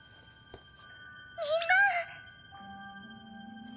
みんな！